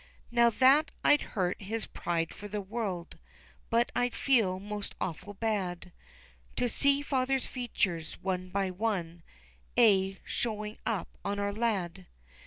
Not that I'd hurt his pride for the world, But I'd feel most awful bad To see father's features one by one A showing up on our lad.